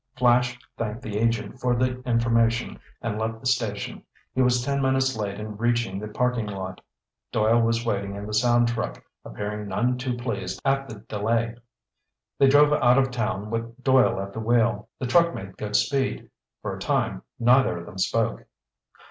Flash thanked the agent for the information and left the station. He was ten minutes late in reaching the parking lot. Doyle was waiting in the sound truck, appearing none too pleased at the delay. They drove out of town with Doyle at the wheel. The truck made good speed. For a time neither of them spoke.